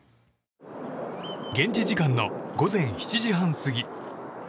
現地時間の午前７時半過ぎ。